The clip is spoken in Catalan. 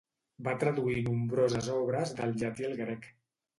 Va traduir nombroses obres del llatí al grec.